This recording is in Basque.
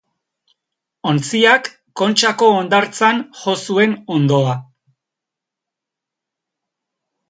Ontziak Kontxako hondartzan jo zuen hondoa.